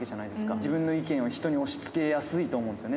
自分の意見を人に押しつけやすいと思うんですよね。